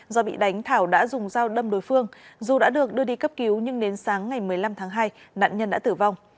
do bị đánh thảo đã dùng dao đâm đối phương dù đã được đưa đi cấp cứu nhưng đến sáng ngày một mươi năm tháng hai nạn nhân đã tử vong